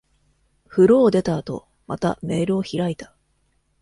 風呂を出た後、またメールを開いた。